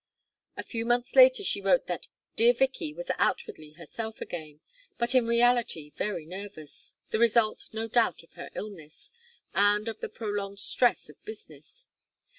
A few months later she wrote that "dear Vicky" was outwardly herself again, but in reality very nervous, the result, no doubt, of her illness, and of the prolonged stress of business.